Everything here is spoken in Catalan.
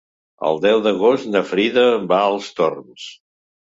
El deu d'agost na Frida va als Torms.